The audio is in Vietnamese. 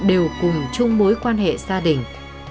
đều cùng chung mối quan hệ gia đình